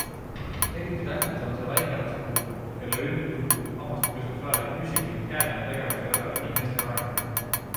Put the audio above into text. Eriti tähtis on see väikelaste puhul, kellel üldjuhul puudub hammaste pesuks vajalik püsivus ning käeline tegevus ei ole veel nii hästi arenenud.